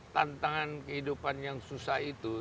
tantangan kehidupan yang susah itu